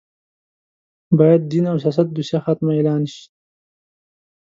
باید دین او سیاست دوسیه ختمه اعلان شي